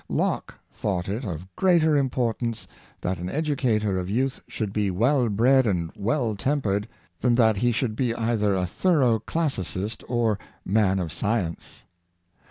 Locke thought it of greater importance that an educa tor of youth should be well bred and well tempered, than that he should be either a thorough classicist or man of science.